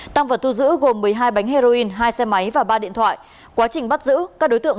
tăng vật thu giữ gồm một mươi hai bánh heroin hai xe máy và ba điện thoại quá trình bắt giữ các đối tượng